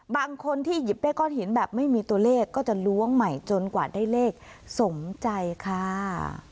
บางคนที่หยิบได้ก้อนหินแบบไม่มีตัวเลขก็จะล้วงใหม่จนกว่าได้เลขสมใจค่ะ